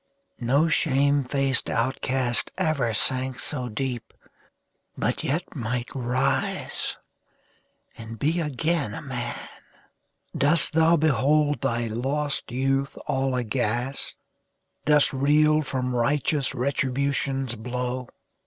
No shame faced outcast ever sank so deep, But yet might rise and be again a man ! Dost thou behold thy lost youth all aghast? Dost reel from righteous Retribution's blow?